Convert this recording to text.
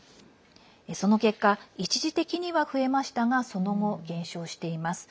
その結果一時的には増えましたがその後、減少しています。